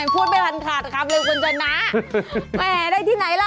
พูดไปคานขาดอะครับคนจรรย์น้า